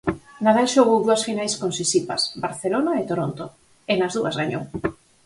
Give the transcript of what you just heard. Nadal xogou dúas finais con Sisipas, Barcelona e Toronto, e nas dúas gañou.